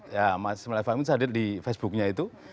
ya mas ismail fahmi itu saya lihat di facebooknya itu